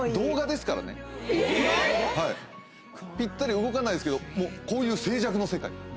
ぴったり動かないですけどこういう静寂の世界。